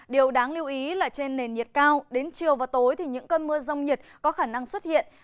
điều đáng lưu ý là trên nền nhiệt cao đến chiều và tối thì những cơn mưa rông nhiệt có khả năng xuất hiện